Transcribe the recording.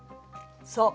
そう。